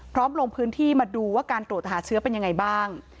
ลงพื้นที่มาดูว่าการตรวจหาเชื้อเป็นยังไงบ้าง